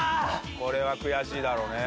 これは悔しいだろうね。